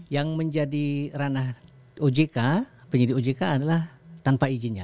yang menjadi ranah ojk penyidik ojk adalah tanpa izinnya